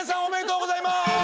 おめでとうございます！